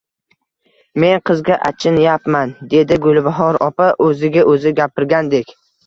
Men qizga achinyapman…dedi Gulbahor opa o`ziga o`zi gapirgandek